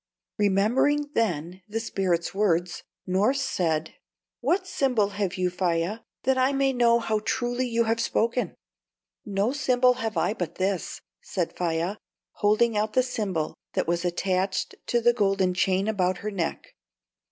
Remembering then the spirit's words, Norss said: "What symbol have you, Faia, that I may know how truly you have spoken?" "No symbol have I but this," said Faia, holding out the symbol that was attached to the golden chain about her neck.